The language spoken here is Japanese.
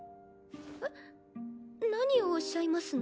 えっ何をおっしゃいますの？